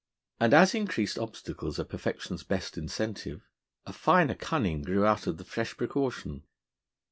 And as increased obstacles are perfection's best incentive, a finer cunning grew out of the fresh precaution.